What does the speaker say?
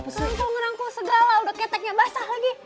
rangkul rangkul segala udah keteknya basah lagi